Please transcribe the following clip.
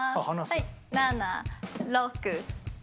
はい７６５。